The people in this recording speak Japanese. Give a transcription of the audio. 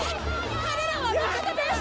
彼らは味方です！